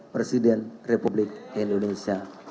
presiden republik indonesia